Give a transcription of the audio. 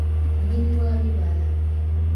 Mulimi wa bibala.